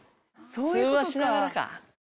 通話しながらか。